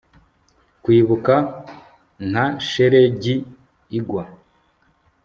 Kwibuka nka shelegi igwa